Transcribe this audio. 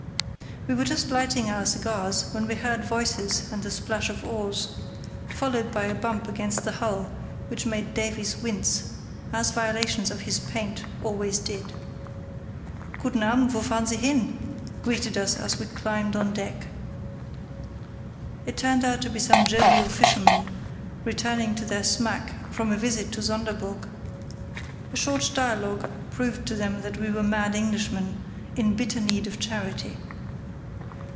We were just lighting our cigars when we heard voices and the splash of oars, followed by a bump against the hull which made Davies wince, as violations of his paint always did. "Guten Abend; wo fahren Sie hin?" greeted us as we climbed on deck. It turned out to be some jovial fishermen returning to their smack from a visit to Sonderburg. A short dialogue proved to them that we were mad Englishmen in bitter need of charity.